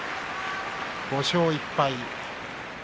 ５勝１敗。